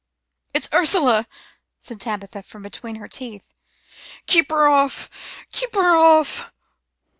"It's Ursula," said Tabitha from between her teeth. "Keep her off! Keep her off!"